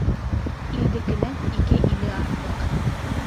Илдекенән ике иле артыҡ.